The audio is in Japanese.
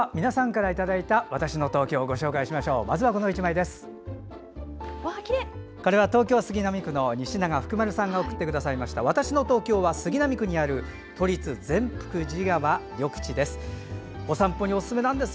わたしの東京」は杉並区にある都立善福寺川緑地です。